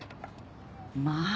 まあ！